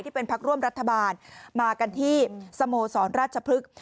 เป็นพักร่วมรัฐบาลมากันที่สโมสรราชพฤกษ์